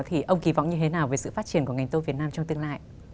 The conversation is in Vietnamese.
thì ông kỳ vọng như thế nào về sự phát triển của ngành tôm việt nam trong tương lai